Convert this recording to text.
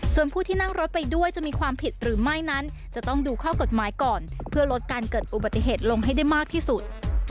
ส่วนผู้ที่นั่งรถไปด้วยจะมีความผิดหรือไม่นั้นจะต้องดูข้อกฎหมายก่อนเพื่อลดการเกิดอุบัติเหตุลงให้ได้มากที่สุด